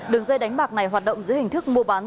đường dây đánh bạc này hoạt động dưới hình thức mua bán